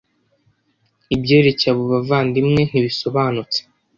Ibyerekeye abo bavandimwe ntibisobanutse